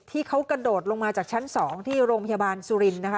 ที่เขากระโดดลงมาจากชั้น๒ที่โรงพยาบาลสุรินทร์นะคะ